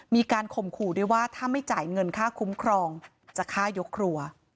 มีการข่มขู่ด้วยว่าถ้าไม่จ่ายเงินค่าคุ้มครองจะฆ่ายกครัว